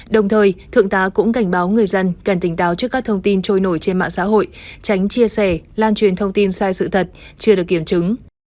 đồng thời thượng tá cũng cảnh báo người dân cần tỉnh táo trước các thông tin trôi nổi trên mạng xã hội tránh chia sẻ lan truyền thông tin sai sự thật chưa được kiểm chứng